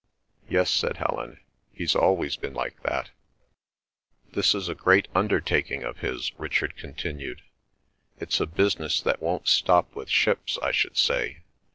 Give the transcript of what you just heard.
"Yes," said Helen, "he's always been like that." "This is a great undertaking of his," Richard continued. "It's a business that won't stop with ships, I should say.